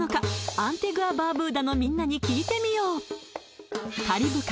アンティグア・バーブーダのみんなに聞いてみようカリブ海